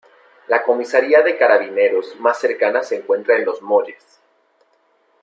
La comisaría de Carabineros más cercana se encuentra en Los Molles.